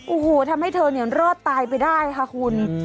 โอ้โหทำให้เธอเนี่ยรอดตายไปได้ค่ะคุณ